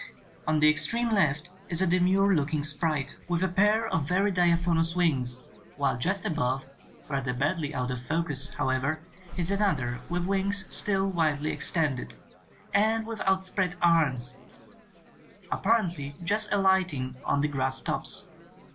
On the extreme left is a demure looking sprite, with a pair 103 THE COMING OF THE FAIRIES of very diaphanous wings, while just above, rather badly out of focus, however, is an other with wings still widely extended, and with outspread arms, apparently just alight ing on the grass tops.